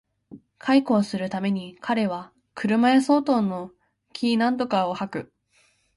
邂逅する毎に彼は車屋相当の気焔を吐く